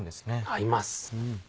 合います。